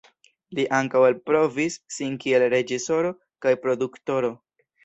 Li ankaŭ elprovis sin kiel reĝisoro kaj produktoro.